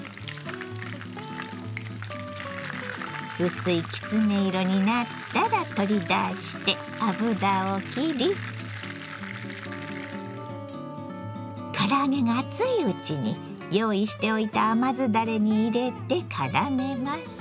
薄いきつね色になったら取り出して油をきり唐揚げが熱いうちに用意しておいた甘酢だれに入れてからめます。